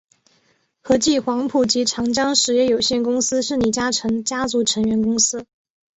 和记黄埔及长江实业有限公司是李嘉诚家族成员公司。